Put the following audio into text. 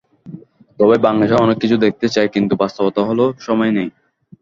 তবে বাংলাদেশের অনেক কিছুই দেখতে চাই, কিন্তু বাস্তবতা হলো, সময় নেই।